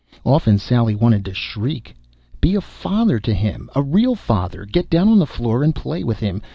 Often Sally wanted to shriek: "Be a father to him! A real father! Get down on the floor and play with him.